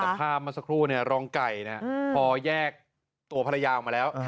แต่ภาพเมื่อสักครู่รองไก่พอแยกตัวภรรยาออกมาแล้ว